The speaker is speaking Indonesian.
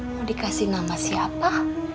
mau dikasih nama siapa